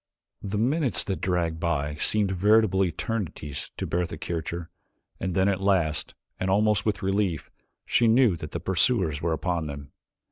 The minutes that dragged by seemed veritable eternities to Bertha Kircher and then at last, and almost with relief, she knew that the pursuers were upon them.